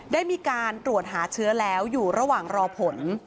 ได้มีการตรวจหาเชื้อแล้วอยู่ระหว่างรอผล